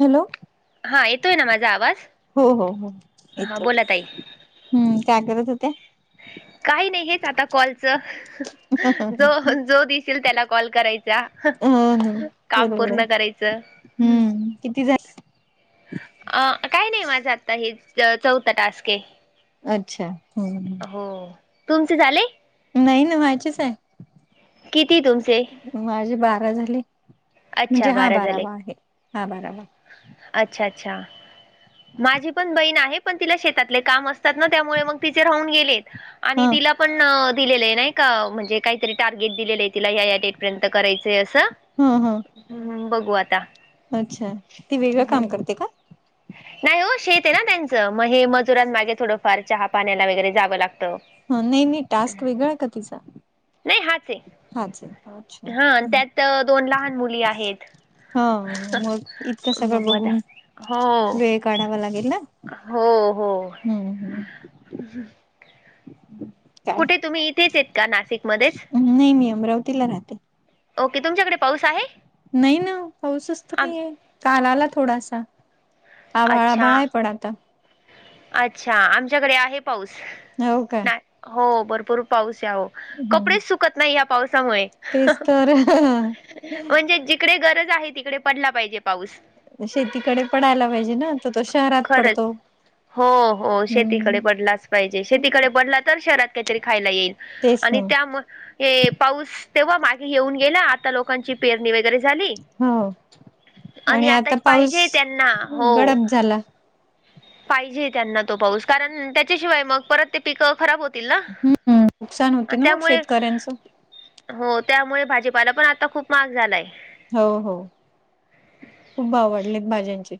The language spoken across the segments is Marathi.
हॅलो, हा येतोय ना माझा आवाज? हो हो हो हा येतोय. बोला ताई हम्म काय करत होत्या? काही नाही हेच आता कॉलच. हा जो जो दिसेल त्याला कॉल करायचा. हा काम बरोबर आहे पूर्ण करायचं. हम्म किती झाले अ काय नाही माझं आता हे चौथ टास्क अच्छा. हो तुमचे झाले? नाही ना व्हायचीच आहे. किती तुमचे? माझे बारा झाले. म्हणजे अच्छा हा बारा झाले बारावा आहे हा बारावा. अच्छा अच्छा. माझी पण बहीण आहे. पण तिला शेतातले काम असतात ना. त्यामुळे मग तिचे राहून गेलेत. आणि हा तिला पण दिलेलं आहे नाही का. म्हणजे काहीतरी टार्गेट दिलेलं आहे तिला. या या डेट पर्यंत करायचय असं. हम हम हम् बघू आता. अच्छा ती वेगळं हम्म. काम करते का? नाही हो शेत आहे ना त्यांचं, मग हे मजुरांमागे थोडंफार चहा पाण्याला वगैरे जावं लागतं. हो, नाही नाही. टास्क वेगळा आहे का तिचा? नाही हाच आहे हाच आहे का? अच्छा हा. त्यात दोन लहान मुली आहेत. हा मग इतकं सगळं बघू आता बघून. वेळ काढावा लागेल ना. हो. हो हो. हम्म हम्म हम् [inaudible] काय कुठे तुम्ही? इथेच आहेत का नाशिकमध्येच? नाही मी अमरावतीला राहते. ओके तुमच्याकडे पाऊस आहे? नाही ना. पाऊसच आम- नाही आहे काल आला थोडासा. आभाळ आभाळ अच्छा आहे पड आता. अच्छा आमच्याकडे आहे पाऊस. हो काय. ना हो, भरपूर पाऊस आहे. हो हम्म कपडेच सुकत नाही या पावसामुळे. तेच तर म्हणजे जिकडे गरज आहे. तिकडे पडला पाहिजे. पाऊस शेतीकडे पडायला पाहिजे ना तर तो शहरात खरंच पडतो. हो हो शेतीकडे हम्म पडलाच पाहिजे. शेतीकडे पडला तर शहरात काहीतरी खायला येईल. तेच ना आणि त्या मग पाऊस तेव्हा मागे येऊन गेला आता लोक ची पेरणी वगैरे झाली. हो. आणि आताच आता पाऊस पाहिजे त्यांना हो. गडप झाला पाहिजे त्यांना तो पाऊस. कारण त्याच्याशिवाय मग परत ते पिक खराब होत. हम् नुकसान होती ना मग शेतकऱ्यांचं, हो, त्यामुळे भाजीपाला पण आता खूप महाग झालाय. हो हो खूप भाव वाढलेत भाज्यांचे.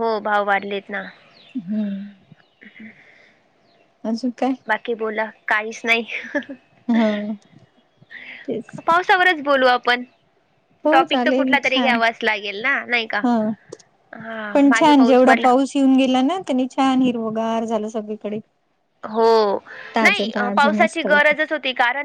हो भाव वाढलेत ना. हम्म. ह् [inaudible] अजून काय? बाकी बोला काहीच नाही. हा तेच पाऊस सावरच बोलू आपण, हो टॉपिक तर चालेल कुठला तरी छान घ्यावाच लागेल ना नाही का. हा हा पण मागे छान पाऊस जेवढा पडला येऊन गेला ना त्यांनी छान हिरवगार झाल सगळीकडे हो ताजं नाही ताजं पावसाची मस्त वाटलं. गरजच होती कारण